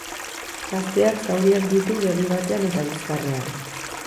Gazteak zauriak ditu begi batean eta bizkarrean.